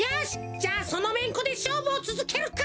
じゃあそのめんこでしょうぶをつづけるか！